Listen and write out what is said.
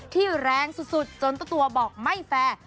ที่แรงสุดจนตัวบอกไม่แฟร์